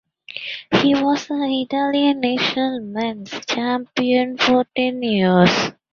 He was the Italian national men's champion for ten years.